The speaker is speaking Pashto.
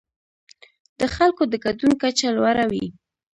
د خلکو د ګډون کچه لوړه وي.